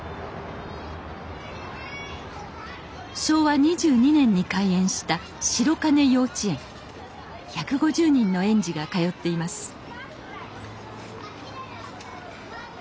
昭和２２年に開園した白金幼稚園１５０人の園児が通っています